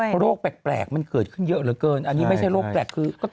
เพราะโรคแปลกมันเกิดขึ้นเยอะเหลือเกินอันนี้ไม่ใช่โรคแปลกคือ